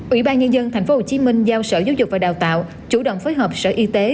ủy ban nhân dân tp hcm giao sở giáo dục và đào tạo chủ động phối hợp sở y tế